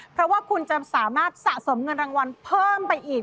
เพราะว่าคุณจะสามารถสะสมเงินรางวัลเพิ่มไปอีก